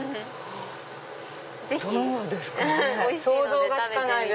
想像がつかない。